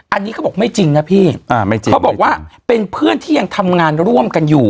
อันนี้เขาบอกไม่จริงนะพี่อ่าไม่จริงเขาบอกว่าเป็นเพื่อนที่ยังทำงานร่วมกันอยู่